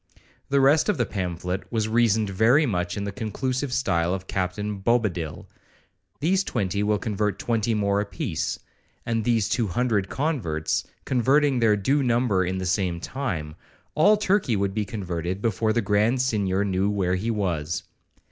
The rest of the pamphlet was reasoned very much in the conclusive style of Captain Bobadil,—these twenty will convert twenty more a piece, and these two hundred converts, converting their due number in the same time, all Turkey would be converted before the Grand Signior knew where he was.